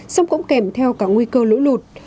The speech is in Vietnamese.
xong cũng kèm theo cả nguy cơ lũ lụt